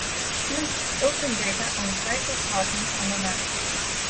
Plots open data on cycle parking on a map